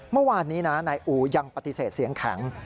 เมื่อวานนี้นะนายอูยังปฏิเสธเสียงแข็ง